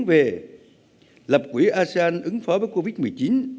về lập quỹ asean ứng phó với covid một mươi chín